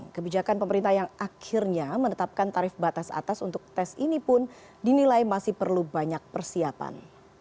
kebijakan pemerintah yang akhirnya menetapkan tarif batas atas untuk tes ini pun dinilai masih perlu banyak persiapan